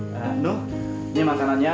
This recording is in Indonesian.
nah nuh ini makanannya